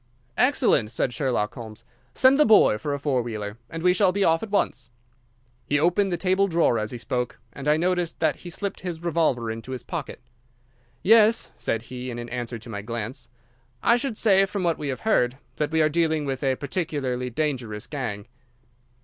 "Excellent," said Sherlock Holmes. "Send the boy for a four wheeler, and we shall be off at once." He opened the table drawer as he spoke, and I noticed that he slipped his revolver into his pocket. "Yes," said he, in answer to my glance; "I should say from what we have heard, that we are dealing with a particularly dangerous gang."